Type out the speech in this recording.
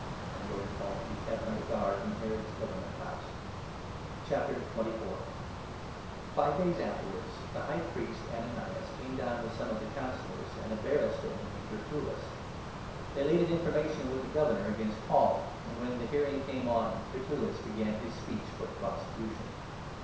And he ordered Paul to be kept under guard in Herod's Government House. Paul Five days afterwards the High Priest Ananias i b«for« F«IJM. came down with some of the Councillors and a barrister named Tertullus. They laid an information with the Governor against Paul ; and, when the hearing came on, 2 Tertullus began his speech for the prosecution.